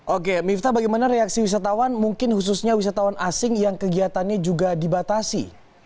oke miftah bagaimana reaksi wisatawan mungkin khususnya wisatawan asing yang kegiatannya juga dibatasi